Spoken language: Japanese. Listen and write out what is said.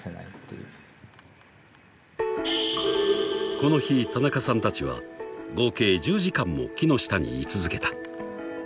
［この日田中さんたちは合計１０時間も木の下に居続けた］